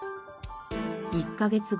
１カ月後